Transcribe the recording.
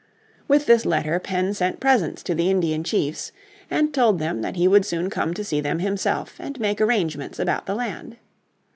With this letter Penn sent presents to the Indian chiefs and told them that he would soon come to see them himself, and make arrangements about the land.